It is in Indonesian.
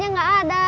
yang lain mah biasa